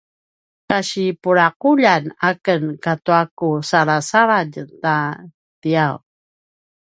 kasi pulaquljan aken katua ku salasaladj ta tiyav